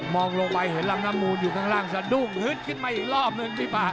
ลงไปเห็นลำน้ำมูลอยู่ข้างล่างสะดุ้งฮึดขึ้นมาอีกรอบหนึ่งพี่ปาก